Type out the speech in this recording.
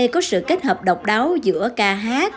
với sự nâng đỡ phụ họa của âm nhạc